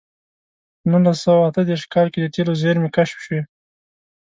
په نولس سوه اته دېرش کال کې د تېلو زېرمې کشف شوې.